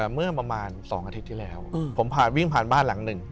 เมื่อประมาณ๒อาทิตย์ที่แล้วผมผ่านวิ่งผ่านบ้านหลังหนึ่ง